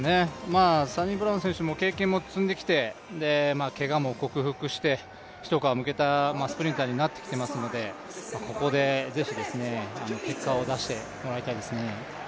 サニブラウン選手も経験も積んできて、けがも克服して一皮むけたスプリンタ−になってきていますのでここでぜひ結果を出してもらいたいですね。